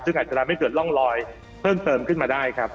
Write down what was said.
ซึ่งอาจจะทำให้เกิดร่องรอยเพิ่มเติมขึ้นมาได้ครับ